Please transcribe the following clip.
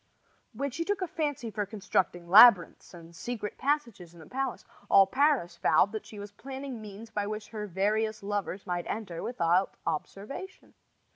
When she took a fancy for constructing labyrinths and secret passages in the palace, all Paris vowed that she was planning means by which her various lovers might enter without observation.